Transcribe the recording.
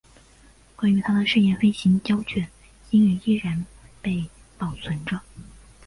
关于他的试验飞行胶卷今日依然被保存着。